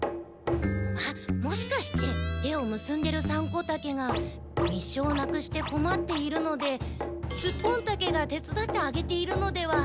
あっもしかして手をむすんでるサンコタケが密書をなくしてこまっているのでスッポンタケが手つだってあげているのでは？